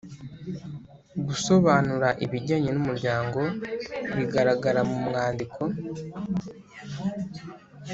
-gusobanura ibijyanye n’umuryango bigaragara mu mwandiko;